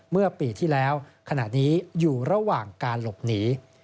เมื่อปีที่แล้วขณะนี้อยู่ระหว่างการหลบหนี